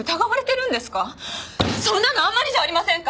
そんなのあんまりじゃありませんか！？